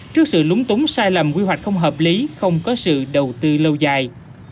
trước sự lúng túng sai lầm quy hoạch không hợp lý không có sự đầu tư lâu dài